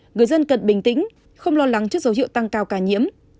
người dân cần bình tĩnh không lo lắng trước dấu hiệu tăng cao ca nhiễm